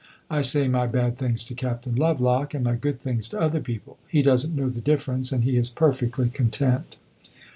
I say my bad things to Captain Lovelock, and my good things to other people; he does n't know the difference and he is perfectly content."